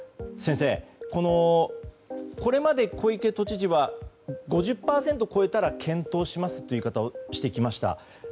先生、これまで小池都知事は５０％を超えたら検討しますという言い方をしてきました。